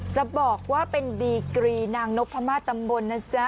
จะบอกว่าเป็นดีกรีนางนพม่าตำบลนะจ๊ะ